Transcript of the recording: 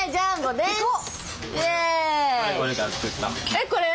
えっこれ？